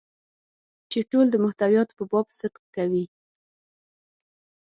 چې ټول د محتویاتو په باب صدق کوي.